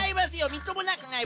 みっともなくない！